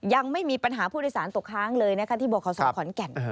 ยังไม่มีปัญหาผู้โดยสารตกค้างเลยที่บคขอนแก่น